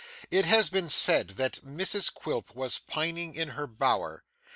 It has been said that Mrs Quilp was pining in her bower.